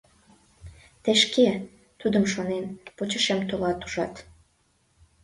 — Тый шке, тудым шонен, почешем толат, ужат?